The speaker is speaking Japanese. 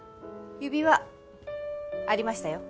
指輪ありましたよ。